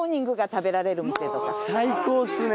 最高っすね。